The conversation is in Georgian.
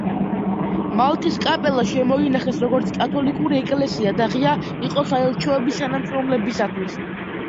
მალტის კაპელა შემოინახეს, როგორც კათოლიკური ეკლესია და ღია იყო საელჩოების თანამშრომლებისათვის.